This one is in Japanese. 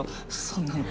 そんなの。